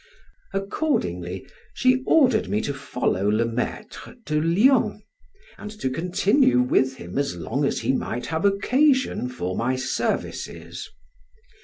Accordingly she ordered me to follow Le Maitre to Lyons, and to continue with him as long as he might have occasion for my services.